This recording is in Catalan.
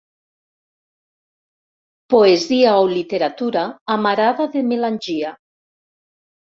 Poesia o literatura amarada de melangia.